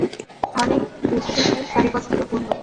অনেক বেছেটেছে শাড়ি পছন্দ করল।